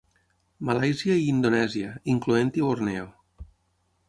Malàisia i Indonèsia, incloent-hi Borneo.